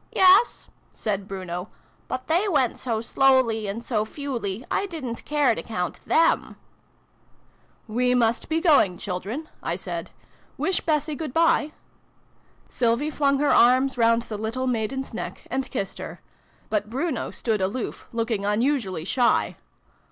" Yes," said Bruno ;" but they went so slowly and so fewly, I didn't care to count than" "We must be going, children," I said. "Wish Bessie good bye." Sylvie flung her arms round the little maiden's neck, and kissed her : but Bruno stood aloof, looking unusually shy.